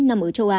nằm ở châu á